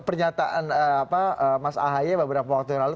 pernyataan mas ahaye beberapa waktu yang lalu